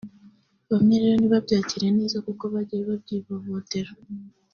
bamwe rero ntibabyakiriye neza kuko bagiye babyivovotera